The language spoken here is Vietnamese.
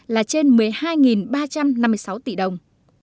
là trên một mươi hai ba trăm năm mươi sáu tỷ đồng